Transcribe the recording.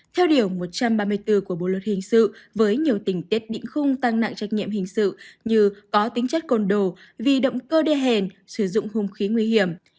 theo điều một trăm ba mươi bốn của bộ luật hình sự với nhiều tình tiết định khung tăng nặng trách nhiệm hình sự như có tính chất côn đồ vì động cơ đê hèn sử dụng hung khí nguy hiểm